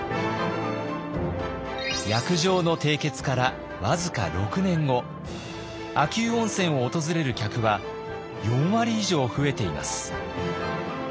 約定の締結から僅か６年後秋保温泉を訪れる客は４割以上増えています。